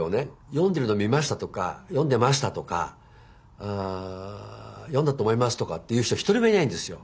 「読んでるの見ました」とか「読んでました」とかあ「読んだと思います」とかっていう人一人もいないんですよ。